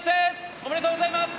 おめでとうございます。